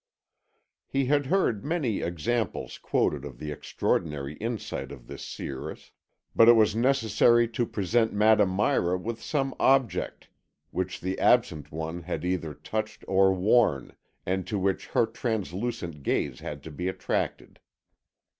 He had heard many examples quoted of the extraordinary insight of this seeress, but it was necessary to present Madame Mira with some object which the absent one had either touched or worn and to which her translucent gaze had to be attracted.